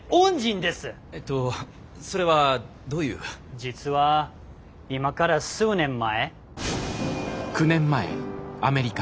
実は今から数年前。